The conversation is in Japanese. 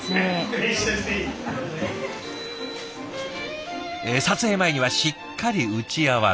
撮影前にはしっかり打ち合わせ。